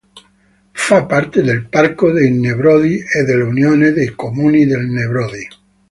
Fa parte del Parco dei Nebrodi e dell'Unione dei Comuni dei Nebrodi.